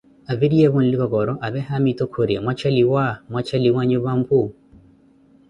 Aviriyeevo nlikokoro apee haamitu khuri mwacheliwa mwacheliwa nyupa mphu ?